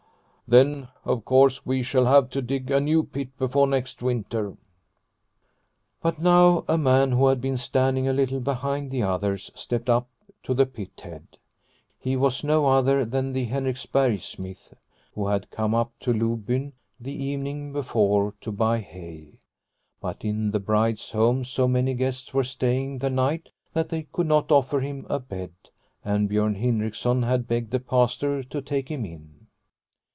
" Then, of course, we shall have to dig a new pit before next winter." But now a man who had been standing a little behind the others stepped up to the pit head. He was no other than the Henriksberg smith who had come up to Lobyn the evening before to buy hay. But in the bride's home so many guests were staying the night that they could not offer him a bed, and Biorn Hindriksson had begged the Pastor to take him in.